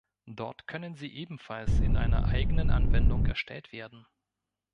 Dort können sie ebenfalls in einer eigenen Anwendung erstellt werden.